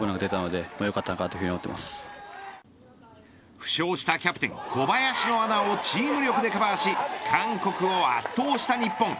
負傷したキャプテン小林の穴をチーム力でカバーし韓国を圧倒した日本。